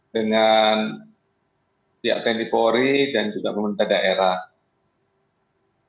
dengan pihak tni polri dan juga pemerintah daerah